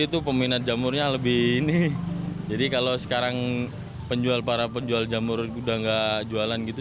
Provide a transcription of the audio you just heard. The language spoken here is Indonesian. itu peminat jamurnya lebih ini jadi kalau sekarang penjual para penjual jamur udah enggak jualan gitu